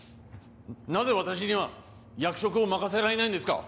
なぜ私には役職を任せられないんですか？